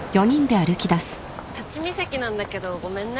立ち見席なんだけどごめんね。